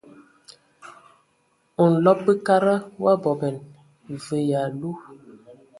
Nlɔb bəkada wa bɔban və yalu.